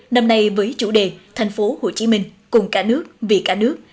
năm nay với chủ đề thành phố hồ chí minh cùng cả nước vì cả nước